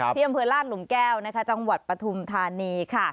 ที่อำเภอลาดหลุมแก้วจังหวัดปฐุมธานีค่ะ